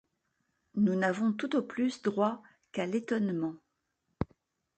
Nous n'avons tout au plus droit qu'à l'étonnement.